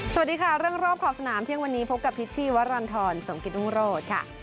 สวัสดีค่ะเรื่องรอบขอบสนามเที่ยงวันนี้พบกับพิษชี่วรรณฑรสมกิตรุงโรธค่ะ